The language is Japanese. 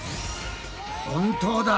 本当だ。